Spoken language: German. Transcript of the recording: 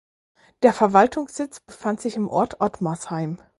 Der Verwaltungssitz befand sich im Ort Ottmarsheim.